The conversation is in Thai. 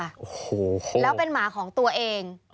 โอ้โหแล้วเป็นหมาของตัวเอง